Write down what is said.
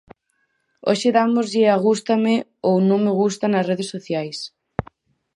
Hoxe dámoslle a gústame ou non me gusta nas redes sociais.